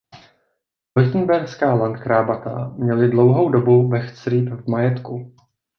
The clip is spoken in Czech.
Leuchtenberská landkrabata měli dlouhou dobu Bechtsrieth v majetku.